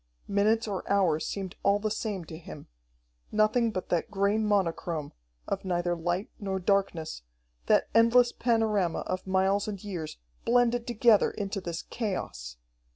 Minutes or hours seemed all the same to him. Nothing but that gray monochrome, of neither light nor darkness, that endless panorama of miles and years, blended together into this chaos!